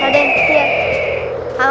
ada yang kelihatan